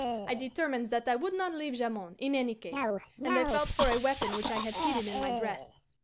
I determined that I would not leave Jamond, in any case, and I felt for a weapon which I had hidden in my dress.